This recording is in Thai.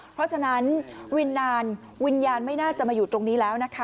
เพราะฉะนั้นวิญญาณวิญญาณไม่น่าจะมาอยู่ตรงนี้แล้วนะคะ